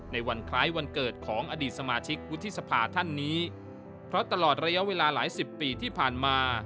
ในวันคล้ายวันเกิดของอดีตสมาชิกวุฒิสภาท่านนี้เพราะตลอดระยะเวลาหลายสิบปีที่ผ่านมา